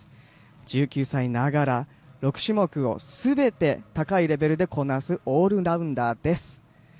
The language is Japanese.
１９歳ながら６種目を全て高いレベルでこなすオールラウンダーです。